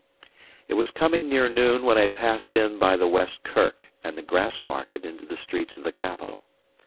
It was coming near noon when I passed in by the West Kirk and the Grassmarket into the streets of the capital.